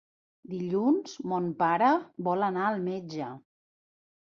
Dilluns mon pare vol anar al metge.